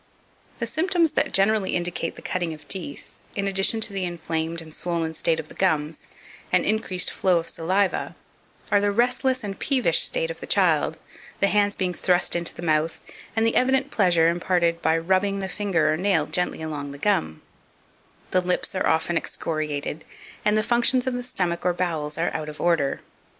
2513. The Symptoms that generally indicate the cutting of teeth, in addition to the inflamed and swollen state of the gums, and increased flow of saliva, are the restless and peevish state of the child, the hands being thrust into the mouth, and the evident pleasure imparted by rubbing the finger or nail gently along the gum; the lips are often excoriated, and the functions of the stomach or bowels are out of order.